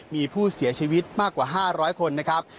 มีผู้เสียชีวิตมากกว่า๕๐๐คนนะครับ